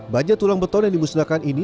baja tulang beton yang dimusnahkan ini